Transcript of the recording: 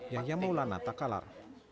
yahya maulana takalar